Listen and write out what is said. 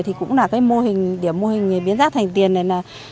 thì cũng là cái mô hình điểm mô hình biến rác thành tiền này là